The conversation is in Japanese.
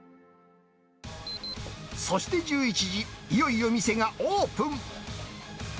そして１１時、いよいよ店がオープン。